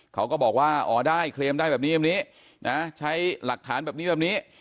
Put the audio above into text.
เขาก็บอกว่าอ๋อได้เคลมได้แบบนี้แบบนี้นะใช้หลักฐานแบบนี้แบบนี้